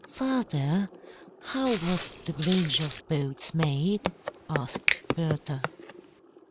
"Father, how was the bridge of boats made?" asked Bertha.